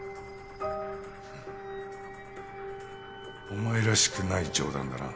お前らしくない冗談だな。